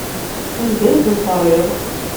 Anda ay ten-terriḍ?